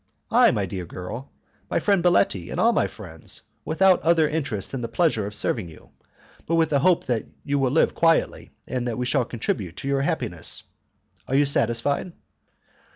"I, my dear girl, my friend Baletti, and all my friends, without other interest than the pleasure of serving you, but with the hope that you will live quietly, and that we shall contribute to your happiness. Are you satisfied?"